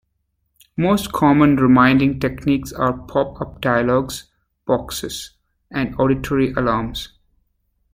Most common reminding techniques are pop-up dialog boxes and auditory alarms.